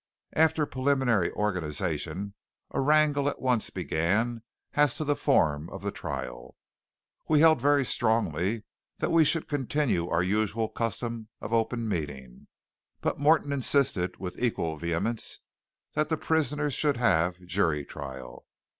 After preliminary organization a wrangle at once began as to the form of the trial. We held very strongly that we should continue our usual custom of open meeting; but Morton insisted with equal vehemence that the prisoners should have jury trial.